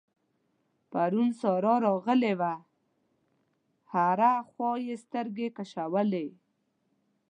پرون سارا راغلې وه؛ هره خوا يې سترګې کشولې.